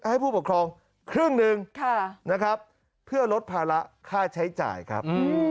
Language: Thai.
ให้ผู้ปกครองครึ่งหนึ่งนะครับเพื่อลดภาระค่าใช้จ่ายครับ